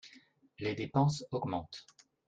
Les dépenses augmentent